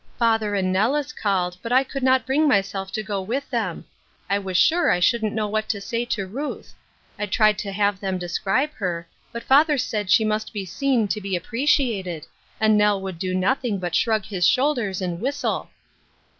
"Father and Nellis called, but I could not bring myself to go with them. I was sure I shouldn't know what to say to Ruth. I tried to have them describe her, but father said she must be seen to be appreciated, and Nell would do nothing but shrug his shoulders and whistle."